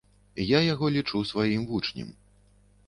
Я яго лічу сваім вучнем.